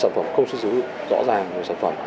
sản phẩm không xuất xứng rõ ràng